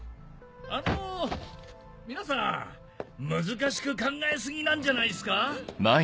あの皆さん難しく考え過ぎなんじゃないっすか？